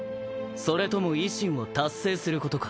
それとも維新を達成することか。